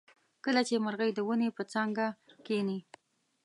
کله چې مرغۍ د ونې په څانګه کیني.